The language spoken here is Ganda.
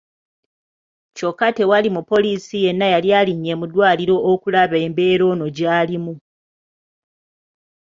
Kyokka tewali mupoliisi yenna yali alinnye mu ddwaliro okulaba embeera ono gy'alimu.